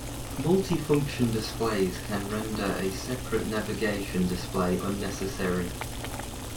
Multi-function displays can render a separate navigation display unnecessary.